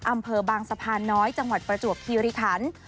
อำเภอบางสะพานน้อยจังหวัดประจวบคีริคัน